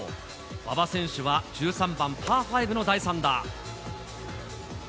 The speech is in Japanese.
馬場選手は１３番パー５の第３打。